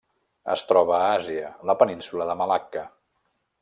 Es troba a Àsia: la península de Malacca.